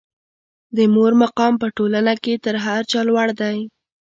د مور مقام په ټولنه کې تر هر چا لوړ دی.